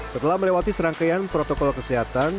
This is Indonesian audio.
setelah melewati serangkaian protokol kesehatan